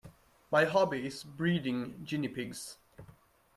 My hobby is breeding guinea pigs